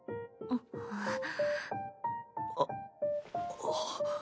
あっあっ。